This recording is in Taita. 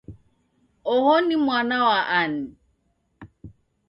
Oho ni mwana wa ani?